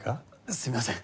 すいません。